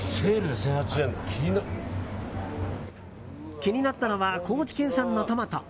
気になったのは高知県産のトマト。